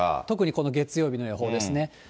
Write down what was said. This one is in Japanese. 特にこの月曜日の予報ですね。